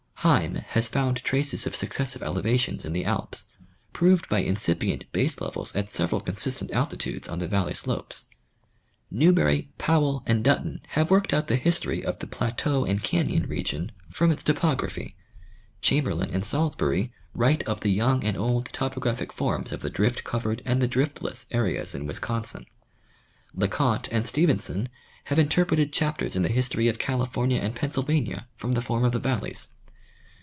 Heim has found traces of successive elevations in the Alps, proved by incipient base levels at several consistent altitudes on the valley slopes. New berry, Powell and Dutton have worked out the history of the plateau and cailon region from its topography; Chamberlin and Salisbury write of the young and old topographic forms of the drift covered and the driftless areas in Wisconsin ; LeConte and Stephenson have interpreted chapters in the history of California and Pennsylvania from the form of the valleys.